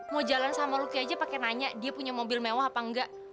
mau jalan sama lucky aja pake nanya dia punya mobil mewah apa nggak